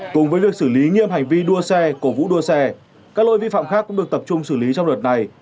cùng với việc xử lý nghiêm hành vi đua xe cổ vũ đua xe các lỗi vi phạm khác cũng được tập trung xử lý trong đợt này